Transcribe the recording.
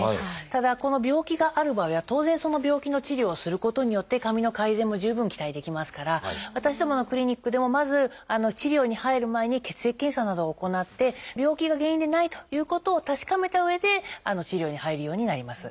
ただこの病気がある場合は当然その病気の治療をすることによって髪の改善も十分期待できますから私どものクリニックでもまず治療に入る前に血液検査などを行って病気が原因でないということを確かめたうえで治療に入るようになります。